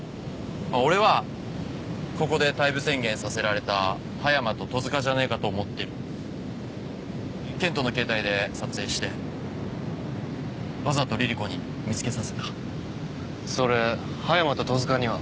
俺はここで退部宣言させられた葉山と戸塚じゃねえかと思ってる健人の携帯で撮影してわざとリリ子に見つけさせたそれ葉山と戸塚には？